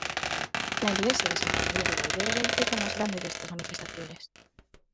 La iglesia de Santa María de Valverde es la más grande de estas manifestaciones.